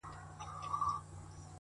هغه نجلۍ سندره نه غواړي، سندري غواړي،